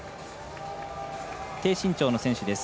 低身長の選手です。